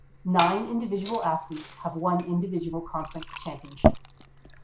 Nine individual athletes have won individual conference championships.